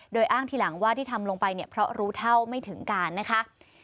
โดยอ้างทีหลังว่าที่ทำลงไปเนี่ยเพราะรู้เท่าไม่ถึงการนะคะ